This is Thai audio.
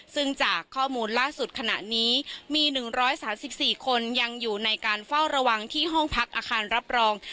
ซึ่งจากข้อมูลล่าสุดขณะนี้มีหนึ่งร้อยสามสิบสี่คนยังอยู่ในการเฝ้าระวังที่ห้องพักอาคารรับรอง